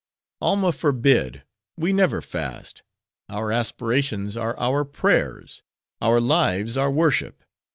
"Alma forbid! We never fast; our aspirations are our prayers; our lives are worship.